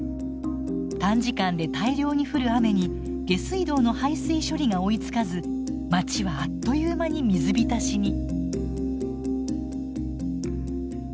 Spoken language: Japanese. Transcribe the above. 短時間で大量に降る雨に下水道の排水処理が追いつかず町はあっという間に水浸しに。